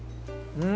うん！」